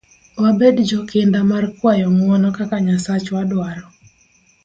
Wabed jo kinda mar kwayo ng'uono kaka Nyasachwa dwaro.